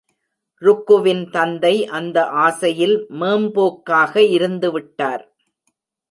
ருக்குவின் தந்தை அந்த ஆசையில் மேம்போக்காக இருந்துவிட்டார்.